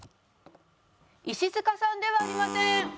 石塚さんではありません。